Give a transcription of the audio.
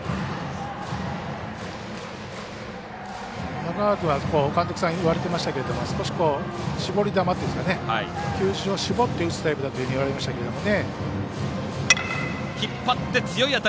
中川君は監督さんが言われてましたけど少し絞り球というか球種を絞って打つタイプだといわれましたけどね。